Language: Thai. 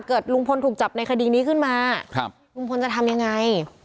เกิดลุงพลถูกจับในคดีนี้ขึ้นมาลุงพลจะทำยังไง